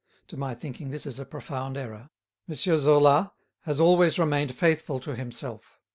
To my thinking this is a profound error. M. Zola has always remained faithful to himself.